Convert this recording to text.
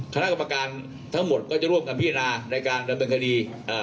คณะกรรมการทั้งหมดก็จะร่วมกันพิจารณาในการดำเนินคดีเอ่อ